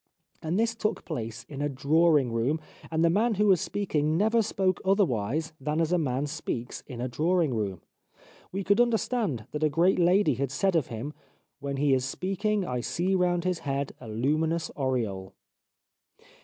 And this took place in a drawing room, and the man who was speaking never spoke otherwise than as a man speaks in a drawing room. We could understand that a great lady had said of him :' When he is speaking I see round his head a luminous aureole.'